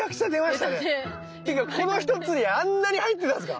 っていうかこの一つにあんなに入ってたんですか？